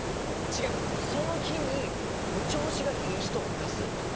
その日に調子がいい人を出す。